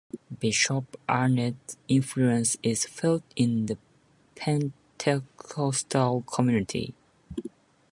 Bishop Arnett's influence is felt in the Pentecostal community.